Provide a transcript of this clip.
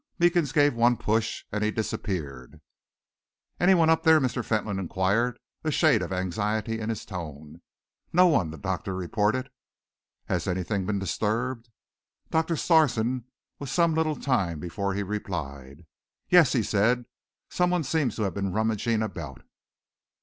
Meekins gave one push, and he disappeared. "Any one up there?" Mr. Fentolin enquired, a shade of anxiety in his tone. "No one," the doctor reported. "Has anything been disturbed?" Doctor Sarson was some little time before he replied. "Yes," he said, "some one seems to have been rummaging about."